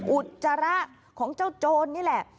อุจจาระของเจ้าโจรนี่แหละ